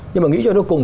nhưng mà nghĩ cho nó cùng